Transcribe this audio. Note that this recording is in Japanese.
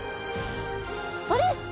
あれ？